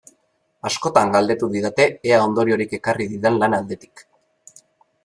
Askotan galdetu didate ea ondoriorik ekarri didan lan aldetik.